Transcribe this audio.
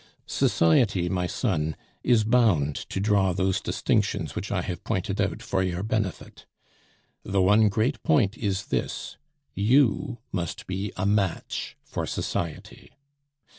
"Society, my son, is bound to draw those distinctions which I have pointed out for your benefit. The one great point is this you must be a match for society.